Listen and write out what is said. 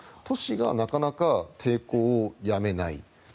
都市がなかなか抵抗をやめない。